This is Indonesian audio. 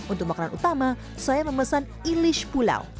untuk makanan utama saya memesan ilish pulau